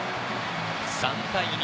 ３対２。